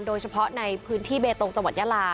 โดยเฉพาะในพื้นที่เบตงจังหวัดยาลา